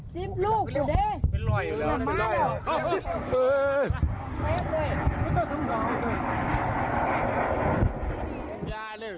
ซีปลูกอยู่ด้วย